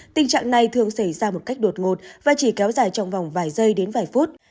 tình trạng này thường xảy ra một cách đột ngột và chỉ kéo dài trong vòng vài giây đến vài phút